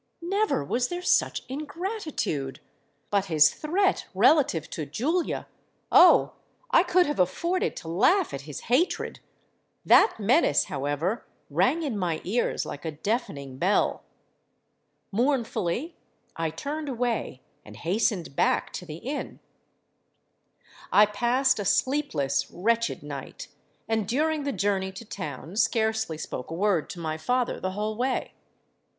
Never was there such ingratitude! But his threat relative to Julia,—oh! I could have afforded to laugh at his hatred: that menace, however, rang in my ears like a deafening bell. Mournfully I turned away, and hastened back to the inn. I passed a sleepless—wretched night; and during the journey to town, scarcely spoke a word to my father the whole way.